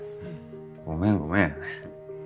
ごめんごめん。